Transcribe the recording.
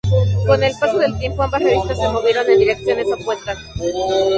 Con el paso del tiempo, ambas revistas se movieron en direcciones opuestas.